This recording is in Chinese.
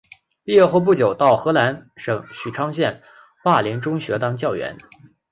毕业后不久到河南省许昌县灞陵中学当教员。